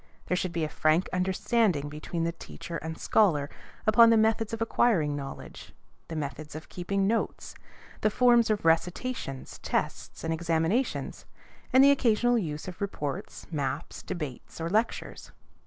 There should be a frank understanding between teacher and scholar upon the methods of acquiring knowledge, the methods of keeping notes, the forms of recitations, tests, and examinations, and the occasional use of reports, maps, debates, or lectures.